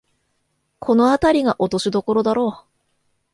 このあたりが落としどころだろう